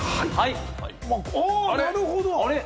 お、なるほど。